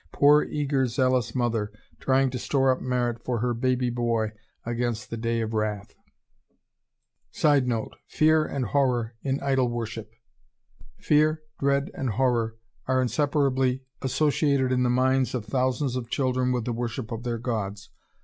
Poor, eager, zealous mother, trying to store up merit for her baby boy against the day of wrath! [Sidenote: Fear and horror in idol worship.] Fear, dread, and horror are inseparably associated in the minds of thousands of children with the worship of their gods.